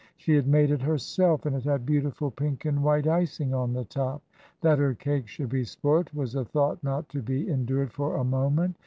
She had made it herself, and it had beautiful pink and white icing on the top. That her cake should be spoilt was a thought not to be endured for a moment.